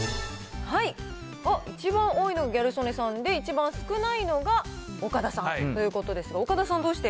おっ、一番多いのがギャル曽根さんで、一番少ないのが岡田さんということですが、岡田さんどうして。